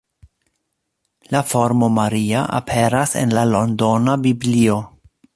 La formo Maria aperas en la Londona Biblio.